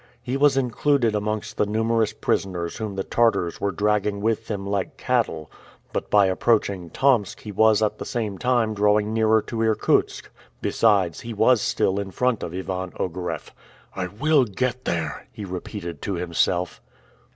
He was included amongst the numerous prisoners whom the Tartars were dragging with them like cattle; but by approaching Tomsk he was at the same time drawing nearer to Irkutsk. Besides, he was still in front of Ivan Ogareff. "I will get there!" he repeated to himself.